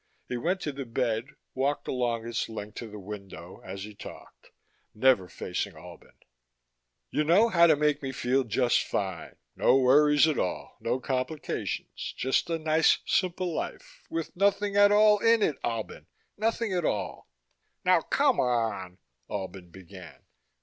He went to the bed, walked along its length to the window, as he talked, never facing Albin. "You know how to make me feel just fine, no worries at all, no complications, just a nice, simple life. With nothing at all in it, Albin. Nothing at all." "Now, come on " Albin began.